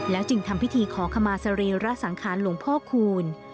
จึงทำพิธีขอขมาสรีระสังขารหลวงพ่อคูณ